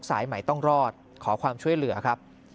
สายใหม่ต้องรอดขอความช่วยเหลือครับ